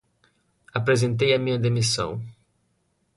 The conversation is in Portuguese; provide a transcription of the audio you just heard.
Apresentei a minha demissão.